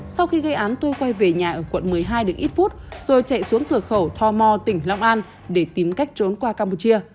sau khi gây án tôi quay về nhà ở quận một mươi hai được ít phút rồi chạy xuống cửa khẩu tho mo tỉnh long an để tìm cách trốn qua campuchia